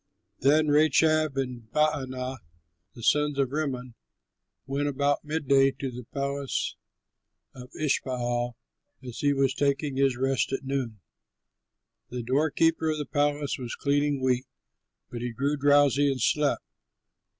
Then Rechab and Baanah, the sons of Rimmon, went about midday to the palace of Ishbaal, as he was taking his rest at noon. The doorkeeper of the palace was cleaning wheat, but he grew drowsy and slept.